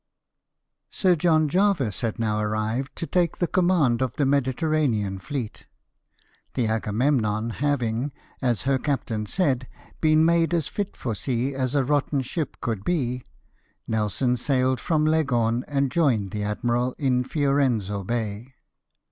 Sir John Jervis had now arrived to take the com mand of the Mediterranean fleet. The Agamemnon having, as her captain said, been made as fit for sea as a rotten ship could be, Nelson sailed from Leghorn, and joined the admiral in Fiorenzo Bay.